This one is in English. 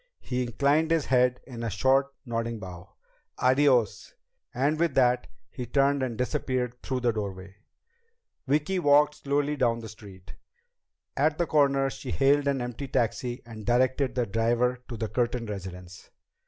He inclined his head in a short, nodding bow. "Adiós." And with that he turned and disappeared through the doorway. Vicki walked slowly down the street. At the corner she hailed an empty taxi and directed the driver to the Curtin residence.